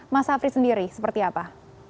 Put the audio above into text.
mas afri sendiri seperti apa